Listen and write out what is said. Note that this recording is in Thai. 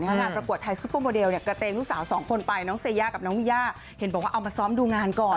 งานประกวดไทยซุปเปอร์โมเดลเนี่ยกระเตงลูกสาวสองคนไปน้องเซย่ากับน้องมิยาเห็นบอกว่าเอามาซ้อมดูงานก่อน